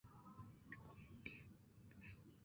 完颜宗弼。